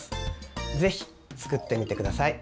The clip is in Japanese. ぜひ作ってみて下さい。